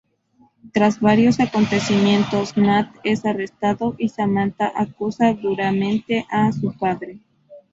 Tras varios acontecimientos, Nat es arrestado Y Samantha acusa duramente a su padre.